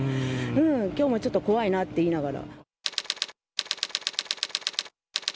きょうもちょっと怖いなって言いながら。